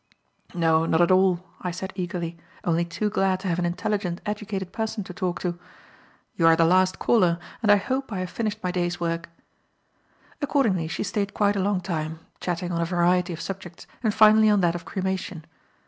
"No, not at all," I said eagerly, only too glad to have an intelligent, educated person to talk to; "you are the last caller, and I hope I have finished my day's work." Accordingly she stayed quite a long time, chatting on a variety of subjects and finally on that of cremation.